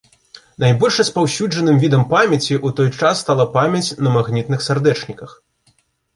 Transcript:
Найбольш распаўсюджаным відам памяці ў той час стала памяць на магнітных сардэчніках.